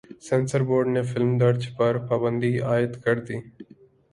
censor board نے film درج پر پابندی عائد کر دی